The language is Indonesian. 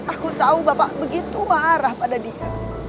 aku tahu bapak begitu marah pada dia